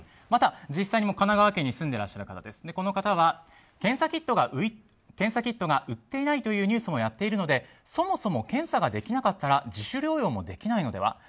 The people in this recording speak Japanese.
また、実際に神奈川県に住んでいらっしゃる方この方は、検査キットが売っていないというニュースもやっているのでそもそも検査ができなかったら自主療養もできないのでは。